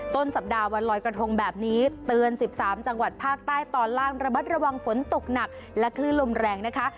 ต้นสัปดาห์วันลอยกระทงแบบนี้เตือน๑๓จังหวัดภาคใต้ตอนล่างระมัดระวังฝนตกหนักและคลื่นลมแรงนะคะ